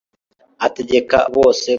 ategeka bose ko barushaho kwihuta